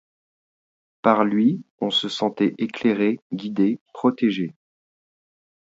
Par lui, on se sentait éclairé, guidé, protégé!